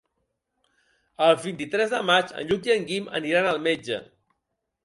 El vint-i-tres de maig en Lluc i en Guim aniran al metge.